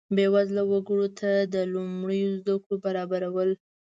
بیوزله وګړو ته د لومړنیو زده کړو برابرول.